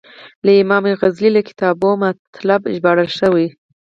له امام غزالي له کتابو مطالب ژباړل شوي.